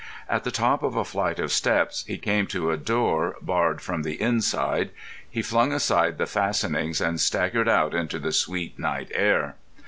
At the top of a flight of steps he came to a door barred from the inside. He flung aside the fastenings and staggered out into the sweet night air.